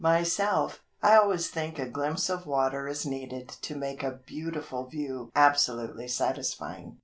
Myself, I always think a glimpse of water is needed to make a beautiful view absolutely satisfying.